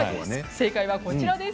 正解はこちらです。